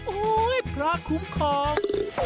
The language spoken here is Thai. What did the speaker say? โอ้โฮไอ้พระคุ้มของ